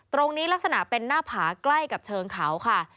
ลักษณะเป็นหน้าผาใกล้กับเชิงเขาค่ะ